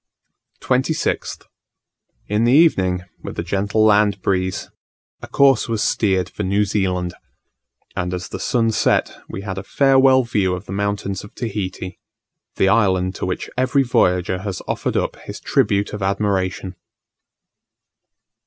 26th. In the evening, with a gentle land breeze, a course was steered for New Zealand; and as the sun set, we had a farewell view of the mountains of Tahiti the island to which every voyager has offered up his tribute of admiration.